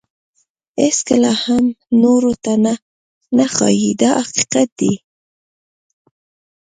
هیڅکله یې هم نورو ته نه ښایي دا حقیقت دی.